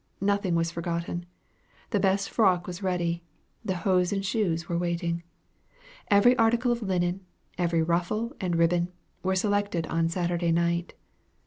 Nothing was forgotten. The best frock was ready; the hose and shoes were waiting. Every article of linen, every ruffle and ribbon, were selected on Saturday night.